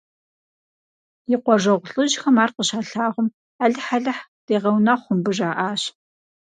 И къуажэгъу лӀыжьхэм ар къыщалъагъум, алыхь – алыхь дегъэунэхъу мыбы, жаӀащ.